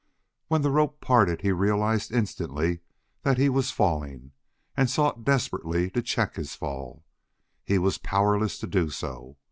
When the rope parted he realized instantly that he was falling, and sought desperately to check his fall. He was powerless to do so.